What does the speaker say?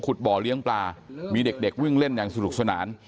บ่อเลี้ยงปลามีเด็กวิ่งเล่นอย่างสนุกสนาน